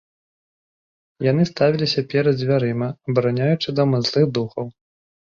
Яны ставіліся перад дзвярыма, абараняючы дом ад злых духаў.